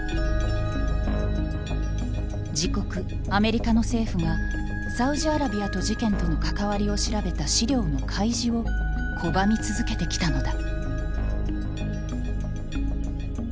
自国アメリカの政府がサウジアラビアと事件との関わりを調べた資料の開示を拒み続けてきたのだ。